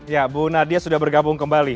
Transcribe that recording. ya bu nadia sudah bergabung kembali